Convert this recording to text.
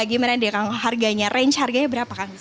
gimana deh kang harganya range harganya berapa kang